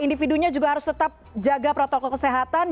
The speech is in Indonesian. individunya juga harus tetap jaga protokol kesehatan